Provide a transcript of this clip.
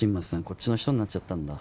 こっちの人になっちゃったんだ